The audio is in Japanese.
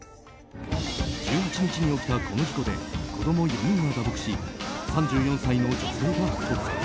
１８日に起きたこの事故で子供４人が打撲し３４歳の女性が骨折。